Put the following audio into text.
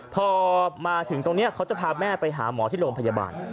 พอมาถึงตรงนี้เขาจะพาแม่ไปหาหมอที่โรงพยาบาล